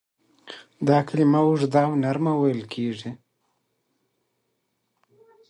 دا کلمه اوږده او نرمه ویل کیږي.